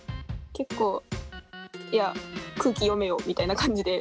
結構いや空気読めよみたいな感じで。